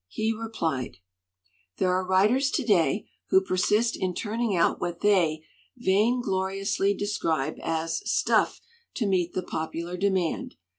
He replied: "There are writers to day who persist in turn ing out what they vaingloriously describe as 'stuff to meet the popular demand.'